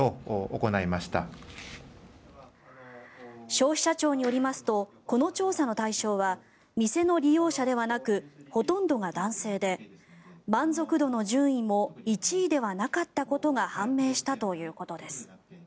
消費者庁によりますとこの調査の対象は店の利用者ではなくほとんどが男性で満足度の順位も１位ではなかったことが判明したということです。